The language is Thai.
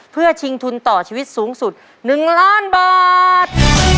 เพื่อชิงทุนต่อชีวิตสูงสุด๑ล้านบาท